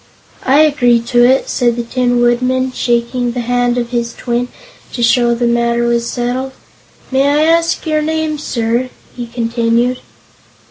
"I agree to it," said the Tin Woodman, shaking the hand of his twin to show the matter was settled. "May I ask your name, sir?" he continued.